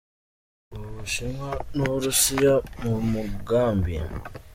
U Bushinwa n’u Burusiya mu mugambi